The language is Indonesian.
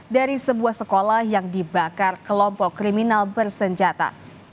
dari sebuah sekolah yang dibakar kelompok kriminal bersenjata